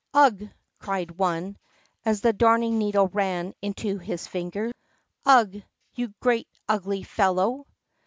"Ugh!" cried one, as the Darning needle ran into his finger. "Ugh! you great ugly fellow!"